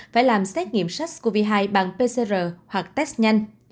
phải làm xét nghiệm sars cov hai bằng pcr hoặc test nhanh